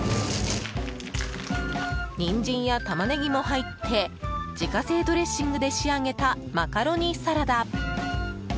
ニンジンやタマネギも入って自家製ドレッシングで仕上げたマカロニサラダ。